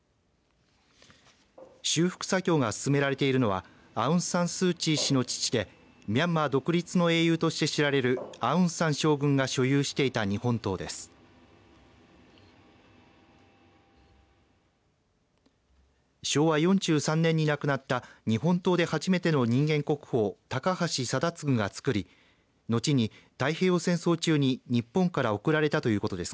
修復作業が進められているのはアウン・サン・スー・チー氏の父でミャンマー独立の英雄として知られるアウン・サン将軍が所有していた日本刀です。